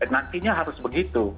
nantinya harus begitu